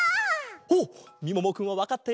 おっみももくんはわかったようだぞ！